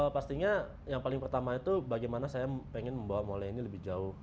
pastinya yang paling pertama itu bagaimana saya pengen membawa molai ini lebih jauh